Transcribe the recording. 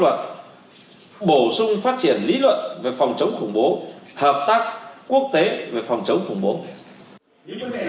luật bổ sung phát triển lý luận về phòng chống khủng bố hợp tác quốc tế về phòng chống khủng bố